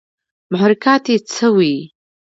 محرکات ئې څۀ وي